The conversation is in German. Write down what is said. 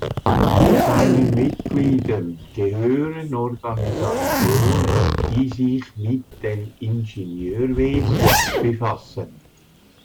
Zu seinen Mitgliedern gehören Organisationen, die sich mit dem Ingenieurwesen befassen.